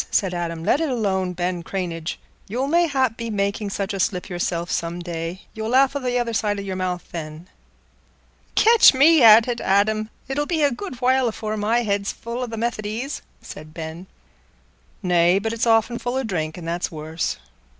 said Adam. "Let it alone, Ben Cranage. You'll mayhap be making such a slip yourself some day; you'll laugh o' th' other side o' your mouth then." "Catch me at it, Adam. It'll be a good while afore my head's full o' th' Methodies," said Ben. "Nay, but it's often full o' drink, and that's worse."